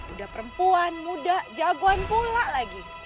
udah perempuan muda jagoan pula lagi